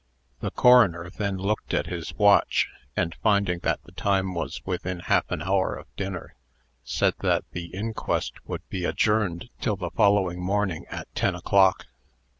The coroner then looked at his watch, and, finding that the time was within half an hour of dinner, said that the inquest would be adjourned till the following morning, at ten o'clock.